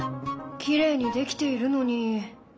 きれいに出来ているのに。